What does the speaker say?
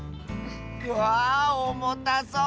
わあおもたそう。